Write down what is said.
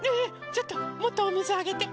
ちょっともっとおみずあげて。